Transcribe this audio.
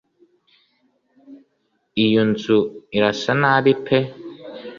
iyunzu irasa nabi pe